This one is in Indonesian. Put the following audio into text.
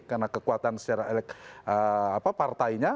karena kekuatan secara partainya